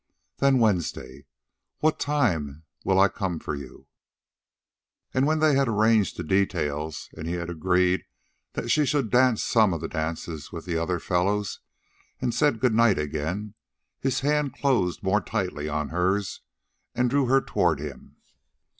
"Then Wednesday. What time'll I come for you?" And when they had arranged the details, and he had agreed that she should dance some of the dances with the other fellows, and said good night again, his hand closed more tightly on hers and drew her toward him.